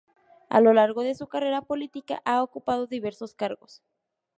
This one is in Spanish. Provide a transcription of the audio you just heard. A lo largo de su carrera política, ha ocupado diversos cargos.